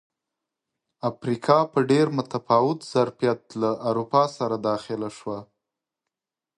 افریقا په ډېر متفاوت ظرفیت له اروپا سره داخله شوه.